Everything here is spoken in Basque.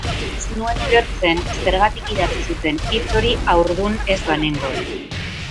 Ez nuen ulertzen zergatik idatzi zuten hitz hori haurdun ez banengoen.